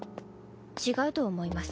違うと思います。